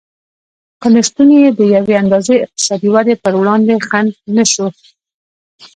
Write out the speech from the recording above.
خو نشتون یې د یوې اندازې اقتصادي ودې پر وړاندې خنډ نه شو